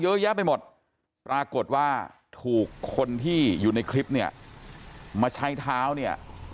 เยอะแยะไปหมดปรากฏว่าถูกคนที่อยู่ในคลิปเนี่ยมาใช้เท้าเนี่ย